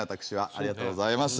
ありがとうございます。